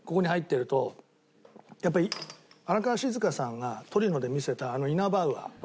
やっぱり荒川静香さんがトリノで見せたあのイナバウアー。